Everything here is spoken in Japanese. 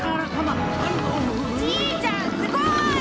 じいちゃんすごい！